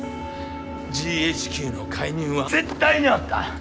ＧＨＱの介入は絶対にあった！